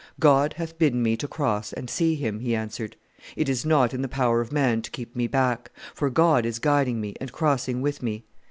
"God hath bidden me to cross and see him," he answered: "it is not in the power of man to keep me back, for God is guiding me and crossing with me.